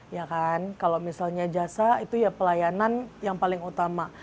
ya kan kalau misalnya jasa itu ya pelayanan yang paling utama